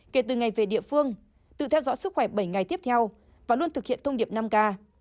kể từ ngày về địa phương tự theo dõi sức khỏe bảy ngày tiếp theo và luôn thực hiện thông điệp năm k